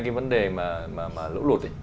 cái vấn đề mà lũ lụt